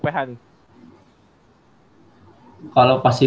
kalo pas itu gak ada yang nawarin sih